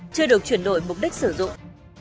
chưa được chuyển đổi mục đích sử dụng